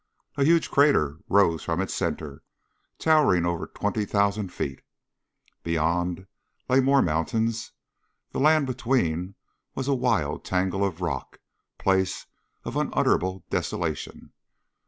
A huge crater rose from its center, towering over twenty thousand feet. Beyond lay more mountains. The land between was a wild tangle of rock, a place of unutterable desolation.